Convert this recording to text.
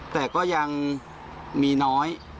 แต่ก็ยังมีน้อย